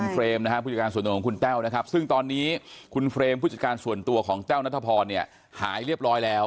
เฟรมนะฮะผู้จัดการส่วนตัวของคุณแต้วนะครับซึ่งตอนนี้คุณเฟรมผู้จัดการส่วนตัวของแต้วนัทพรเนี่ยหายเรียบร้อยแล้ว